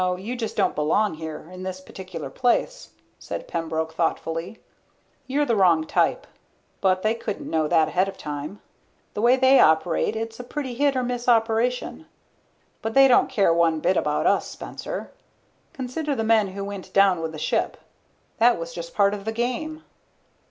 You just don't belong here, in this particular place," said Pembroke thoughtfully. "You're the wrong type. But they couldn't know that ahead of time. The way they operate it's a pretty hit or miss operation. But they don't care one bit about us, Spencer. Consider the men who went down with the ship. That was just part of the game."